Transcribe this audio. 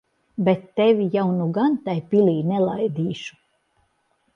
Bet tevi jau nu gan tai pilī nelaidīšu.